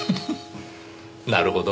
なるほど。